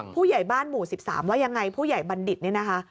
ผู้ใหญ่บ้านหมู่๑๓ว่ายังไงผู้ใหญ่บัณฑิตเนี่ยนะคะ